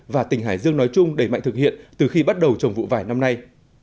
và tỉnh hải dương nói chung đẩy mạnh thực hiện từ khi bắt đầu trồng vụ vải năm nay